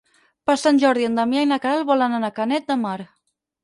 Per Sant Jordi en Damià i na Queralt volen anar a Canet de Mar.